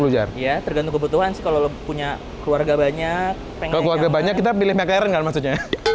lu ya tergantung kebutuhan kalau punya keluarga banyak keluarga banyak kita pilih mclaren maksudnya